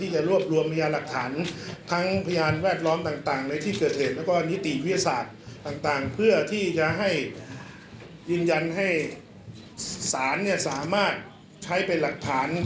จะยืนยันให้สารสามารถใช้เป็นหลักผ่าน